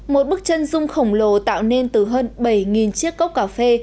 một bức chân dung khổng lồ tạo nên từ hơn bảy chiếc cốc cà phê